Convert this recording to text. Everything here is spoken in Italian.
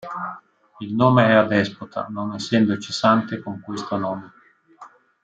Il nome è adespota, non essendoci sante con questo nome.